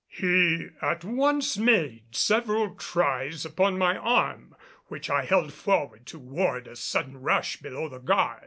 He at once made several tries upon my arm which I held forward to ward a sudden rush below the guard.